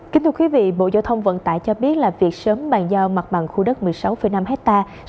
kính thưa quý vị bộ giao thông vận tải cho biết là việc sớm bàn giao mặt bằng khu đất một mươi sáu năm hectare